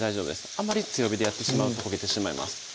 あんまり強火でやってしまうと焦げてしまいます